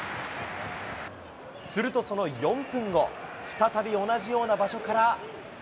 するとその４分後、再び同じような場所から。